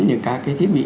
những các cái thiết bị